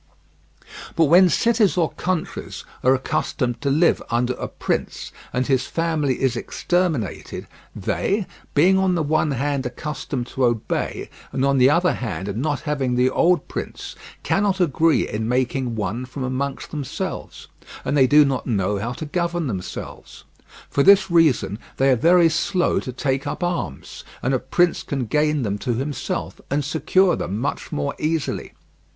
But when cities or countries are accustomed to live under a prince, and his family is exterminated, they, being on the one hand accustomed to obey and on the other hand not having the old prince, cannot agree in making one from amongst themselves, and they do not know how to govern themselves. For this reason they are very slow to take up arms, and a prince can gain them to himself and secure them much more easily.